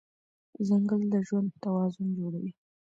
ځنګل د ژوند توازن جوړوي.